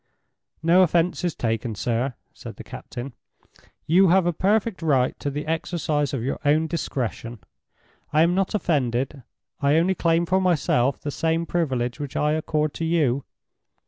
"No offense is taken, sir," said the captain. "You have a perfect right to the exercise of your own discretion. I am not offended—I only claim for myself the same privilege which I accord to you."